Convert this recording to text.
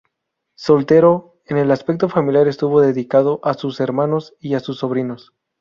Soltero, en el aspecto familiar estuvo dedicado a sus hermanos y a sus sobrinos.